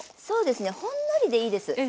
そうですねほんのりでいいです。